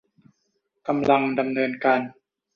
กำลังดำเนินการ